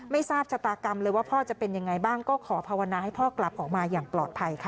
ไม่ทราบชะตากรรมเลยว่าพ่อจะเป็นยังไงบ้างก็ขอภาวนาให้พ่อกลับออกมาอย่างปลอดภัยค่ะ